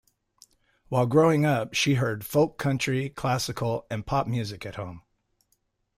While growing up, she heard folk-country, classical, and pop music at home.